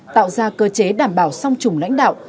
tạo ra cơ chế đảm bảo song trùng lãnh đạo